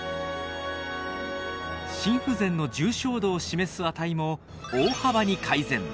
心不全の重症度を示す値も大幅に改善。